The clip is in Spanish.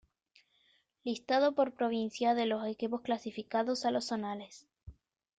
Listado por provincia de los equipos clasificados a los zonales.